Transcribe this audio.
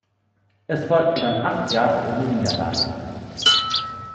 Es folgten dann acht Jahre ohne Niederlage.